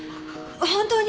本当に？